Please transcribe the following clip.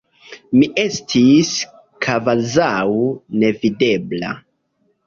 Mi estis kvazaŭ nevidebla.